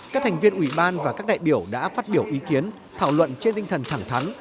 các thành viên ủy ban và các đại biểu đã phát biểu ý kiến thảo luận trên tinh thần thẳng thắn